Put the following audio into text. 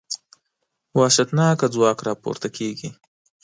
وحشتناکه ځواک راپورته کېږي.